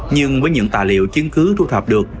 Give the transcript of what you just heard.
nhưng với những tài liệu chứng cứ thu thập được